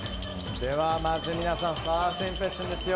まず皆さんファーストインプレッションですよ。